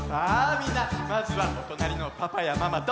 みんなまずはおとなりのパパやママとタッチしてね！